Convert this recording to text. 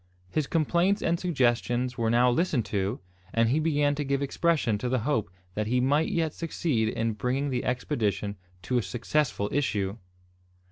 His complaints and suggestions were now listened to, and he began to give expression to the hope that he might yet succeed in bringing the expedition to a successful issue!